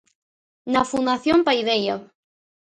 Na Fundación Paideia.